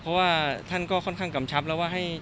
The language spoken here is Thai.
เพราะว่าท่านก็ค่อนข้างกำชับแล้วว่าให้